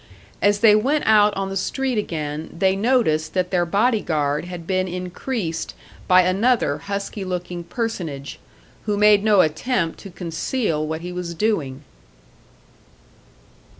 As they went out on the street again they noticed that their body guard had been increased by another husky looking personage, who made no attempt to conceal what he was doing.